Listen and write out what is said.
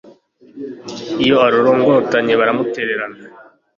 iyo arorongotanye buramutererana